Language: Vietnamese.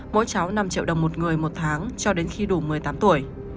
mỗi cháu năm triệu đồng một người một tháng cho đến khi đủ một mươi tám tuổi